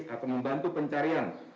akan membantu pencarian